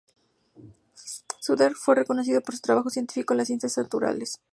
Scudder fue reconocido por su trabajo científico en las ciencias naturales.